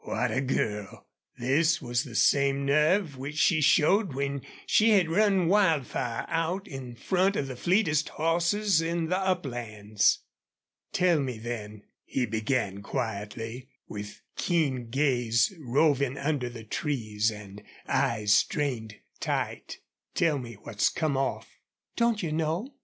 What a girl! This was the same nerve which she showed when she had run Wildfire out in front of the fleetest horses in the uplands. "Tell me, then," he began, quietly, with keen gaze roving under the trees and eyes strained tight, "tell me what's come off." "Don't you know?"